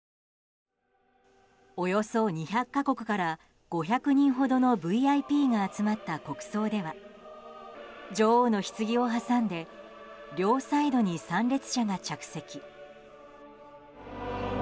およそ２００か国から５００人ほどのＶＩＰが集まった国葬では女王のひつぎを挟んで両サイドに参列者が着席。